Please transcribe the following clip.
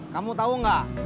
kamu tau gak